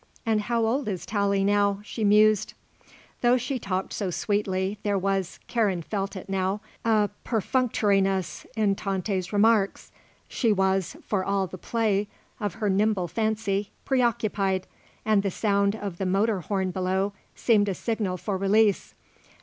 And how old is Tallie now?" she mused. Though she talked so sweetly there was, Karen felt it now, a perfunctoriness in Tante's remarks. She was, for all the play of her nimble fancy, preoccupied, and the sound of the motor horn below seemed a signal for release.